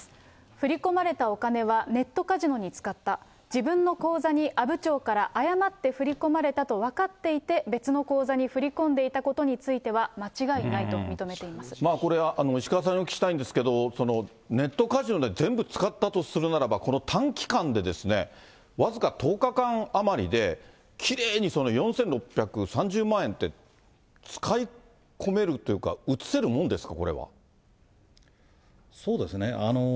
自分の口座に阿武町から誤って振り込まれたと分かっていて、別の口座に振り込んでいたことについては、間違いないと認めていこれ、石川さんにお聞きしたいんですけど、ネットカジノで全部使ったとするならば、この短期間でですね、僅か１０日間余りで、きれいに４６３０万円って使い込めるというか、そうですね。